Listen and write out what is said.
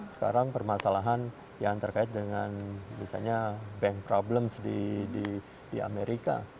sekarang permasalahan yang terkait dengan misalnya bank problems di amerika